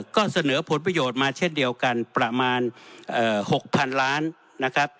ก็เสนอผลประโยชน์มาเช่นเดียวกันประมาณ๖๐๐๐ล้านนะครับ